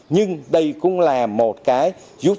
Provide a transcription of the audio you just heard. nhưng đây cũng là một cái giúp cho người trang nuôi bớt lỗ đi phần nào